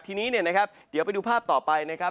ทีนี้เนี่ยนะครับเดี๋ยวไปดูภาพต่อไปนะครับ